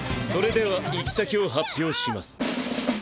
それでは行き先を発表します。